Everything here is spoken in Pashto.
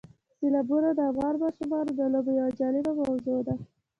سیلابونه د افغان ماشومانو د لوبو یوه جالبه موضوع ده.